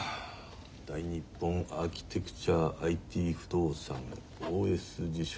大日本アーキテクチャーＩＴ不動産ＯＳ地所。